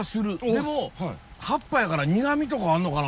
でも葉っぱやから苦みとかあんのかな